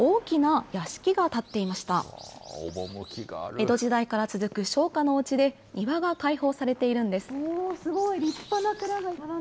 江戸時代から続く商家のおうちで、庭が開放されているんです。